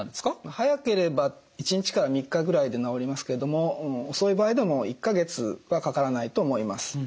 早ければ１日から３日ぐらいで治りますけれども遅い場合でも１か月はかからないと思います。